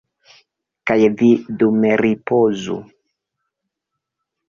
Kaj vi dume ripozu.